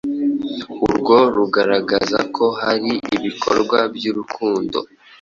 Urwo rugaragaza ko hari ibikorwa by’urukundo